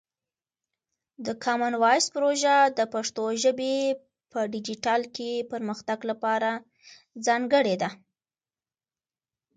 د کامن وایس پروژه د پښتو ژبې په ډیجیټل کې پرمختګ لپاره ځانګړې ده.